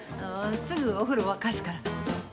すぐ、お風呂沸かすから。